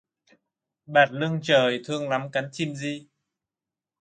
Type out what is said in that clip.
Bạt lưng trời thương lắm cánh chim di